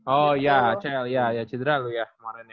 oh ya acl ya ya cedra lo ya kemarinnya